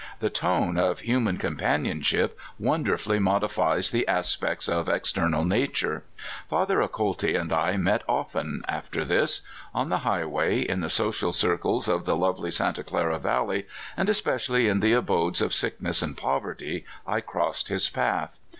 The tone of human (295) 296 CALIFORNIA SKETCHES. companionship wonderfully modifies the aspects of external nature. Father Acolti and I met often after this. On the highway, in the social circles of the lovely Santa Clara Valley, and especially in the abodes of sickness and povert} , I crossed his path.